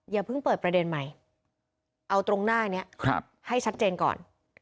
อย่าเพิ่งเปิดประเด็นใหม่เอาตรงหน้านี้ให้ชัดเจนก่อน